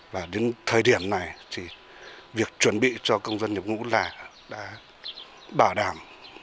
và đến thời điểm này việc chuẩn bị cho công dân nhập ngũ là đã bảo đảm một trăm linh